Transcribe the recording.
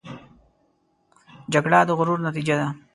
جګړه د غرور نتیجه ده